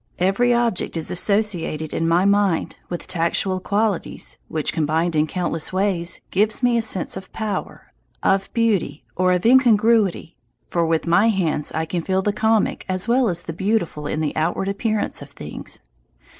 Every object is associated in my mind with tactual qualities which, combined in countless ways, give me a sense of power, of beauty, or of incongruity: for with my hands I can feel the comic as well as the beautiful in the outward appearance of things.